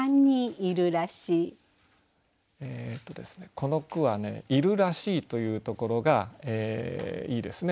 この句は「いるらしい」というところがいいですね。